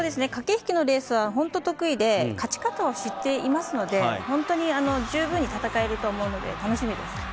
駆け引きのレースはほんとに得意で、勝ち方を知っていますので、十分に戦えると思うので、楽しみです。